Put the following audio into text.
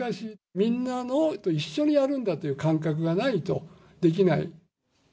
みんなと一緒にやるんだという感覚がないとできない。